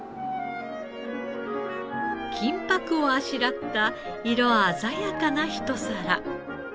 金箔をあしらった色鮮やかなひと皿。